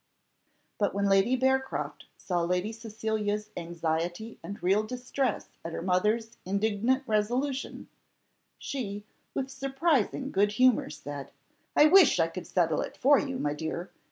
But when Lady Bearcroft saw Lady Cecilia's anxiety and real distress at her mother's indignant resolution, she, with surprising good humour said, "I wish I could settle it for you, my dear.